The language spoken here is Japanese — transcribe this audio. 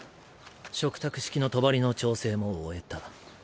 嘱託式の帳の調整も終えた。